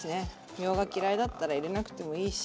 みょうが嫌いだったら入れなくてもいいし。